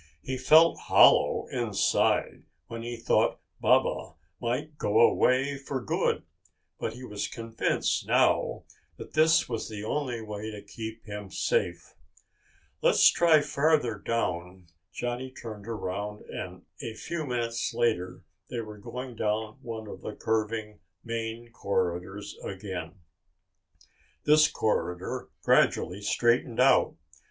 He felt hollow inside when he thought Baba might go away for good, but he was convinced now that this was the only way to keep him safe. "Let's try farther down." Johnny turned around and a few minutes later they were going down one of the curving main corridors again. This corridor gradually straightened out.